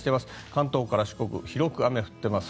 関東から四国広く雨降っています。